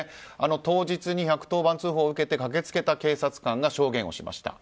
当日に１１０番通報を受けて駆け付けた警察官が証言をしました。